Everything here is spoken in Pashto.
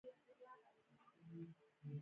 خپل شعر لرئ؟ هو، لږ ډیر می لیکلي ده